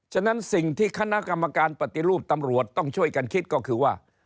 ฉะนั้นสิ่งที่คณะกรรมการปฏิรูปตำรวจต้องช่วยกันคิดก็คือว่า